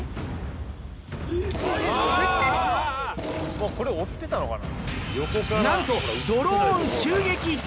もうこれ追ってたのかな。